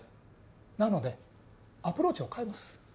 なのでアプローチを変えます。